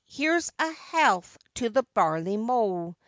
] HERE'S a health to the barley mow!